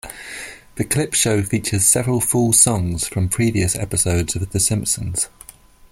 The clip show features several full songs from previous episodes of "The Simpsons".